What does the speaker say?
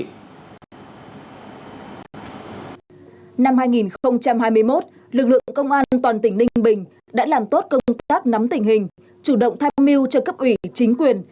năm hai nghìn hai mươi một lực lượng công an toàn tỉnh ninh bình đã làm tốt công tác nắm tình hình chủ động tham mưu cho cấp ủy chính quyền